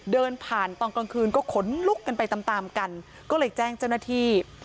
เดินผ่านตอนกลางคืนก็ขนลุกกันไปตามตามกันก็เลยแจ้งเจ้าหน้าที่